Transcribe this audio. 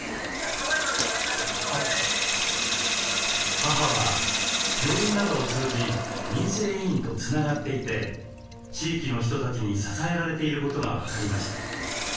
母は病院などを通じ民生委員とつながっていて地域の人たちに支えられていることが分かりました。